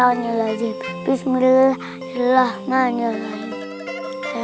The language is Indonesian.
athletes karibik kambingan dari ketahuan don nanda poteh bung minah